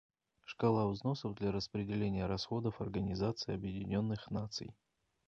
Шкала взносов для распределения расходов Организации Объединенных Наций.